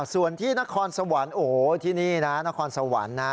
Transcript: ส่วนที่นครสวรรค์โอ้โหที่นี่นะนครสวรรค์นะ